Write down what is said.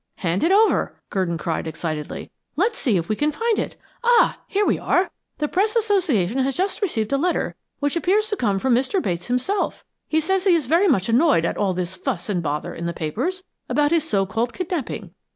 "Hand it over," Gurdon cried excitedly. "Let's see if we can find it. Ah! here we are. The Press Association has just received a letter which appears to come from Mr. Bates himself. He says he is very much annoyed at all this fuss and bother in the papers, about his so called kidnapping.